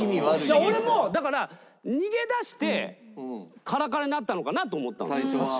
俺もだから逃げ出してカラカラになったのかなと思ったの。